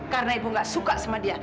karena ibu nggak suka sama dia